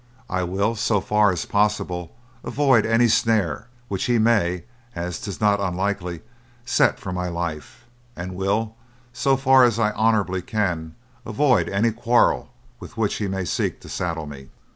I will, so far as possible, avoid any snare which he may, as 'tis not unlikely, set for my life, and will, so far as I honourably can, avoid any quarrel with which he may seek to saddle me."